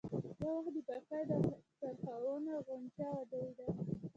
يو وخت د بګۍ د څرخونو غنجا ودرېده.